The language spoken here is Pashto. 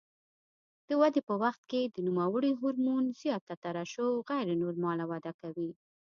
د ودې په وخت کې د نوموړي هورمون زیاته ترشح غیر نورماله وده کوي.